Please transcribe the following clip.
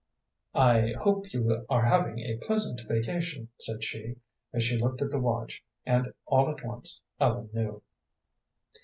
"I hope you are having a pleasant vacation," said she, as she looked at the watch, and all at once Ellen knew.